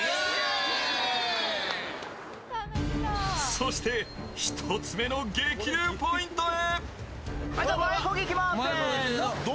そして１つ目の激流ポイントへ。